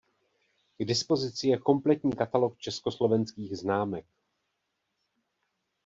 K dispozici je kompletní katalog československých známek.